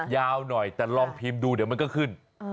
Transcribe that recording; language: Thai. ยาวหน่อยแต่ลองพิมพ์ดูเดี๋ยวมันก็ขึ้น